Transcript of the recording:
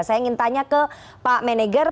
saya ingin tanya ke pak meneger